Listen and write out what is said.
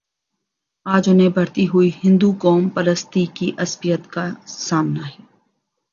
آج انہیں بڑھتی ہوئی ہندوقوم پرستی کی عصبیت کا سامنا ہے۔